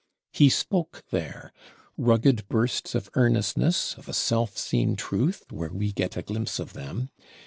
He spoke there, rugged bursts of earnestness, of a self seen truth, where we get a glimpse of them.